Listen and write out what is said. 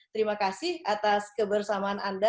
terima kasih atas kebersamaan anda